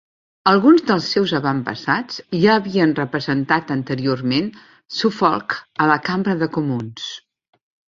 Alguns dels seus avantpassats ja havien representat anteriorment Suffolk a la Cambra dels Comuns.